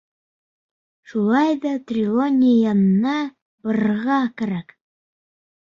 Шулай ҙа Трелони янына барырға кәрәк.